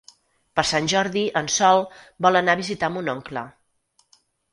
Per Sant Jordi en Sol vol anar a visitar mon oncle.